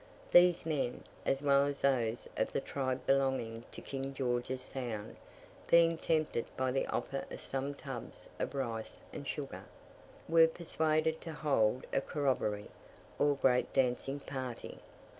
These men, as well as those of the tribe belonging to King George's Sound, being tempted by the offer of some tubs of rice and sugar, were persuaded to hold a "corrobery," or great dancing party.